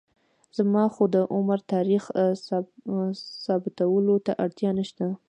زما خو د عمر تاریخ ثابتولو ته اړتیا نشته.